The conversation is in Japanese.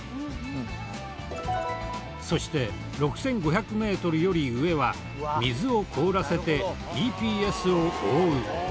そして６５００メートルより上は水を凍らせてＥＰＳを覆う。